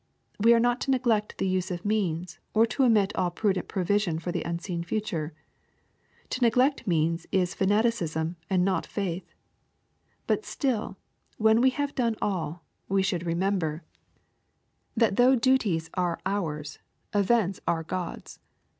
We are not to neglect the use of means, or to omit all prudent provision for the unseen future. To neglect means is fanaticism, and not faith. — But still, when we have done all, we should remember, that though LUKE, CHAP. XIII. 189 duties are ours, events are God's.